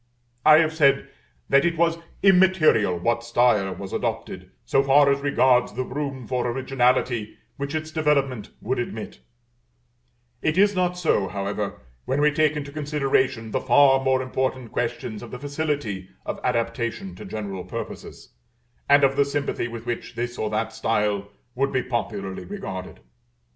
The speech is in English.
I have said that it was immaterial what style was adopted, so far as regards the room for originality which its developement would admit: it is not so, however, when we take into consideration the far more important questions of the facility of adaptation to general purposes, and of the sympathy with which this or that style would be popularly regarded.